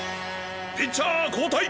ピッチャー交代！